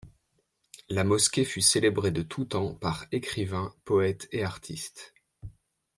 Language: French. La mosquée fut célébrée de tous temps par écrivains, poètes et artistes.